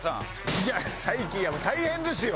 いや最近大変ですよ！